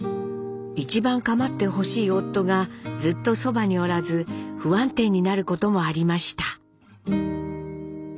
一番かまってほしい夫がずっとそばにおらず不安定になることもありました。